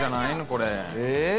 これえっ！？